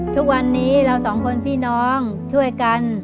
ทุกวันนี้เราสองคนพี่น้องช่วยกัน